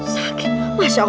sakit masya allah